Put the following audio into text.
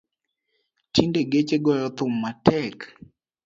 Tinde geche goyo thum matek